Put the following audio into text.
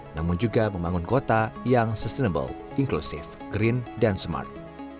namun juga membangun kota yang sustainable inklusif green dan smart